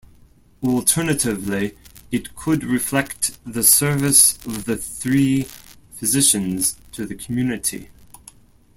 Alternatively, it could reflect the service of the three physicians to the community.